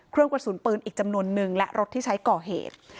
เครื่องกระสุนปืนอีกจำนวนนึงและรถที่ใช้ก่อเหตุ